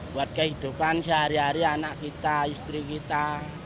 buat kehidupan sehari hari anak kita istri kita